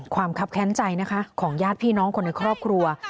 ครับแค้นใจนะคะของญาติพี่น้องคนในครอบครัว